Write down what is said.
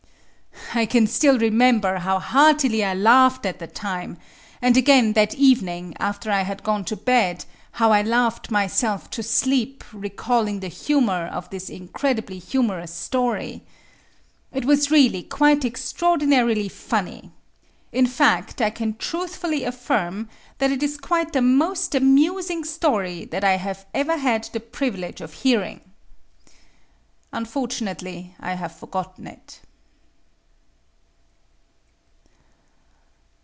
I can still remember how heartily I laughed at the time; and again, that evening, after I had gone to bed, how I laughed myself to sleep recalling the humor of this incredibly humorous story. It was really quite extraordinarily funny. In fact, I can truthfully affirm that it is quite the most amusing story I have ever had the privilege of hearing. Unfortunately, I've forgotten it.